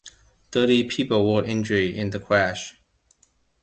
Thirty people were injured in the crash.